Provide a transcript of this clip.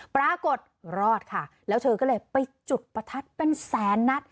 ปรากฏรอดค่ะแล้วเธอก็เลยไปจุดประทัดเป็นแสนนัด